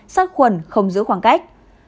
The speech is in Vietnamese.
sát khuẩn không giữ khoảng cách